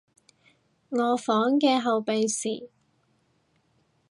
我房嘅後備匙